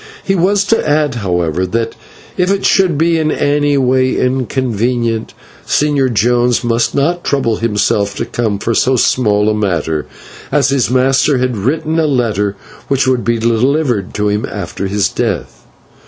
He was to add, however, that if it should be in any way inconvenient, the Señor Jones must not trouble himself to come for so small a matter, as his master had written a letter which would be delivered to him after his death.